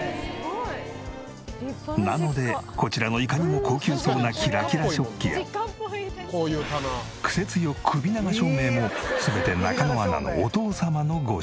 なのでこちらのいかにも高級そうなキラキラ食器やクセ強くび長照明も全て中野アナのお父様のご趣味。